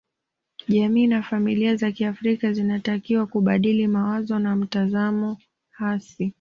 Jamii na familia za kiafrika zinatakiwa kubadili mawazo na mtazamo hasi